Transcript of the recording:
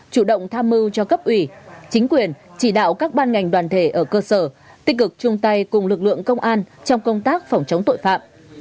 chủ động tham mưu cho cấp ủy chính quyền chỉ đạo các ban ngành đoàn thể ở cơ sở tích cực chung tay cùng lực lượng công an trong công tác phòng chống tội phạm